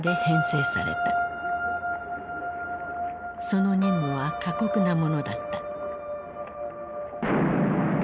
その任務は過酷なものだった。